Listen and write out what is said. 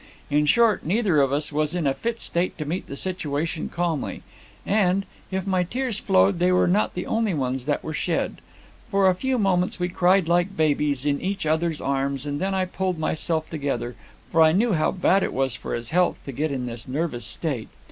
In short, neither of us was in a fit state to meet the situation calmly; and, if my tears flowed, they were not the only ones that were shed. For a few moments we cried like babies, in each other's arms, and then I pulled myself together, for I knew how bad it was for his health to get into this nervous state.